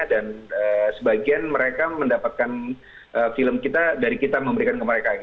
dan sebagian mereka mendapatkan film kita dari kita memberikan ke mereka